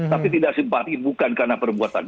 tapi tidak simpatik bukan karena perbuatan kita